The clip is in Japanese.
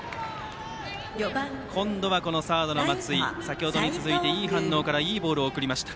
今度は、サードの松井先程に続いて、いい反応からいいボールを送りました。